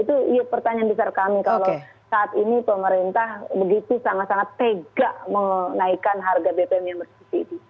itu pertanyaan besar kami kalau saat ini pemerintah begitu sangat sangat tega menaikkan harga bbm yang bersubsidi